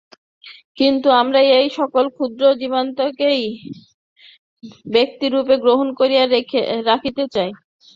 কিন্তু আমরা এই-সকল ক্ষুদ্র জীবাত্মাকেই ব্যক্তিরূপে গ্রহণ করিয়া রাখিতে চাই।